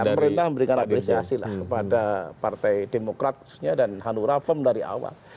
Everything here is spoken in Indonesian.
pemerintah memberikan apresiasi lah kepada partai demokrat dan hanura firm dari awal